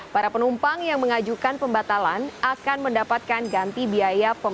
para penumpang yang mengajukan pembatalan akan mendapatkan ganti biaya pemesan tiket sejak